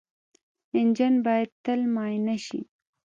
انجن باید تل معاینه شي.